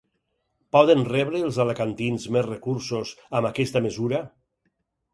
Poden rebre els alacantins més recursos amb aquesta mesura?